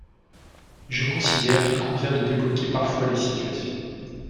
Je considère qu’il convient de débloquer parfois les situations.